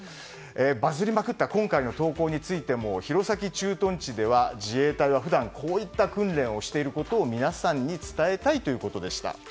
バズりまくった今回の投稿についても弘前駐屯地では自衛隊は普段こういった訓練をしていることを皆さんに伝えたいということでした。